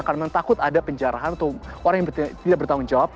karena memang takut ada penjarahan atau orang yang tidak bertanggung jawab